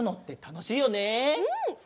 うん！